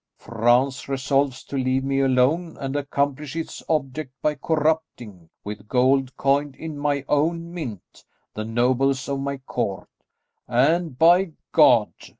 France resolves to leave me alone and accomplish its object by corrupting, with gold coined in my own mint, the nobles of my court, and, by God!"